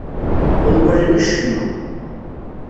Ur walan acemma.